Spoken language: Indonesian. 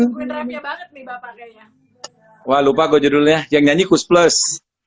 hai waduh banyak salam ke tiga banget nih bapak kayaknya lupa gua judulnya yang nyanyi kus plus